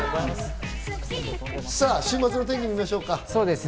週末の天気を見ましょう。